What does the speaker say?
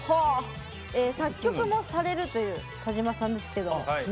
作曲もされるという田島さんですけど。